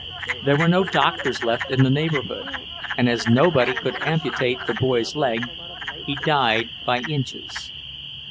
There were no doctors left in the neighbourhood, and as nobody could amputate the boy's leg, he died by inches.